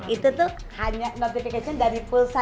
itu tuh hanya notification dari pulsa